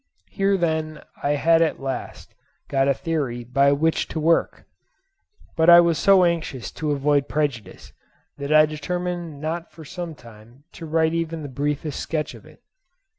Here then I had at last got a theory by which to work; but I was so anxious to avoid prejudice, that I determined not for some time to write even the briefest sketch of it.